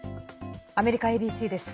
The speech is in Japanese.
アメリカＡＢＣです。